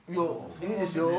いいですよ。